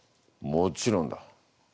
もちろんだ。